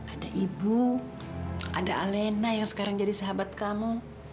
ada ibu ada alena yang sekarang jadi sahabat kamu